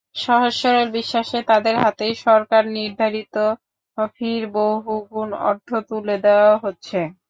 সহজ-সরল বিশ্বাসে তাদের হাতেই সরকার নির্ধারিত ফির বহুগুণ অর্থ তুলে দেওয়া হচ্ছে।